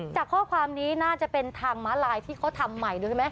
จากข้อความนี้น่าจะเป็นทางม้าลายที่เขาทำใหม่ด้วยใช่ไหม